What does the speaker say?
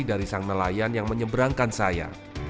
dari sang nelayan yang menyeberangkan saya